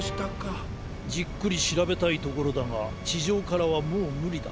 じっくりしらべたいところだがちじょうからはもうむりだ。